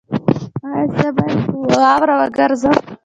ایا زه باید په واوره وګرځم؟